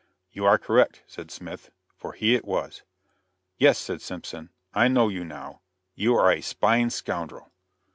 "You are correct," said Smith, for he it was. "Yes," said Simpson, "I know you now; you are a spying scoundrel."